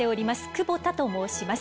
久保田と申します。